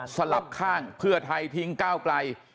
สลับข้างเพื่อไทยทิ้งก้าวไกล